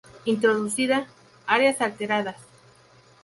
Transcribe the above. Introducida, áreas alteradas.